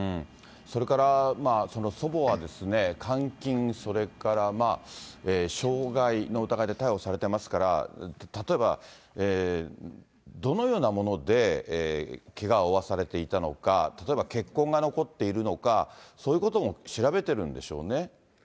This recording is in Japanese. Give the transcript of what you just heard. それから祖母は監禁、それから傷害の疑いで逮捕されてますから、例えばどのようなものでけがを負わされていたのか、例えば血痕が残っているのか、そういうことも調べてるんでしょうね。